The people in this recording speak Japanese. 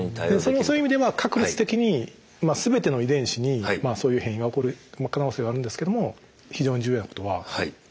そういう意味では確率的に全ての遺伝子にそういう変異が起こる可能性はあるんですけども非常に重要なことはアクセル